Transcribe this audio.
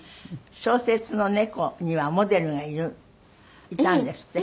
小説の猫にはモデルがいるいたんですって？